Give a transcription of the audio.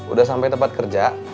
udah sampai tempat kerja